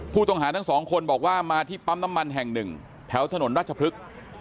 ผู้ต้องหาทั้งสองคนบอกว่ามาที่ปั๊มน้ำมันแห่งหนึ่งแถวถนนราชพฤกษ์